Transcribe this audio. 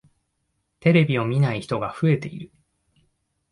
テレビを見ない人が増えている。